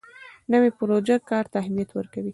نوې پروژه کار ته اهمیت ورکوي